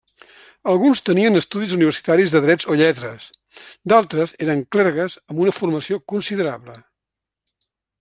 Alguns tenien estudis universitaris de Dret o Lletres; d'altres eren clergues amb una formació considerable.